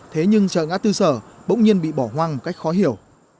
thế nhưng sợ ngã tư sở bỗng nhiên bị bỏ hoang một cách khó hiểu